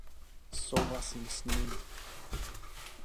Souhlasím s ním.